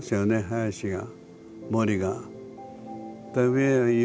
林が森が。